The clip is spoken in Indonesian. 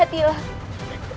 kami semua menggantungkan harapanmu